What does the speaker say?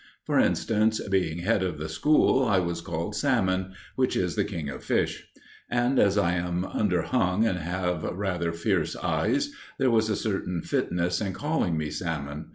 For instance, being head of the school, I was called "Salmon," which is the king of fish; and as I am underhung and have rather fierce eyes, there was a certain fitness in calling me "Salmon."